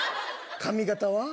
髪形は？